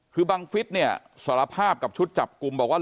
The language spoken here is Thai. คือบังฟิศเนี่ยสารภาพกับชุดจับกลุ่มบอกว่า